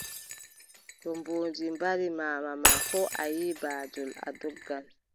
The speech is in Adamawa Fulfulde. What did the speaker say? To mboodi mbari maama ma, koo a yiʼi baajol, a doggan.